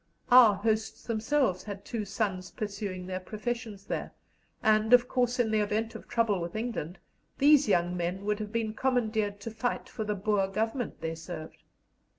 Our hosts themselves had two sons pursuing their professions there, and, of course, in the event of trouble with England, these young men would have been commandeered to fight for the Boer Government they served.